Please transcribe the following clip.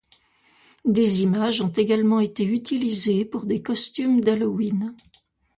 Des images ont également été utilisées pour des costumes d'Halloween.